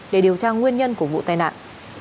để điều tra nguyên nhân của vụ tai nạn